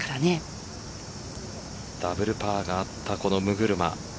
ダブルパーがあった六車。